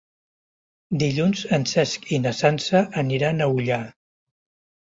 Dilluns en Cesc i na Sança aniran a Ullà.